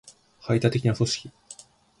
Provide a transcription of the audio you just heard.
排他的な組織